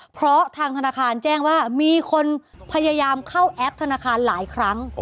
เพราะทางธนาคารแจ้งว่ามีคนพยายามเข้าแอปธนาคารหลายครั้ง